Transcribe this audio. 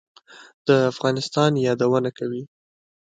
د افغانستان یادونه کوي.